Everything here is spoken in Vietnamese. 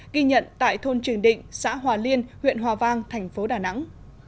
ghi nhận tại thôn trường định xã hòa liên huyện hòa vang thành phố đà nẵng